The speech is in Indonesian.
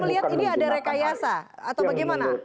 melihat ini ada rekayasa atau bagaimana